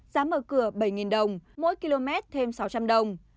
giá mở cửa bảy đồng mỗi km thêm sáu trăm linh đồng